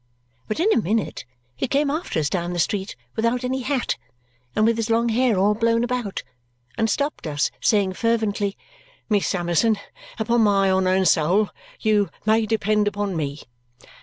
But in a minute he came after us down the street without any hat, and with his long hair all blown about, and stopped us, saying fervently, "Miss Summerson, upon my honour and soul, you may depend upon me!"